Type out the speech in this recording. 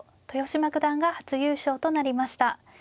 豊島九段が初優勝となりました。